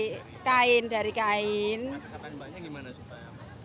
kata katanya bagaimana supaya